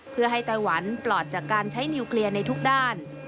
เพื่อให้ไต้หวันปลอดจากการใช้นิวเคลียร์ในทุกด้าน